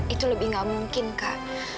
itu lebih gak mungkin kak